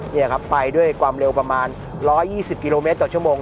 นี่ครับไปด้วยความเร็วประมาณ๑๒๐กิโลเมตรต่อชั่วโมง